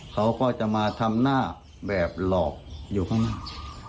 เขาก็จะมาทำหน้าแบบหลอกอยู่ข้างหน้า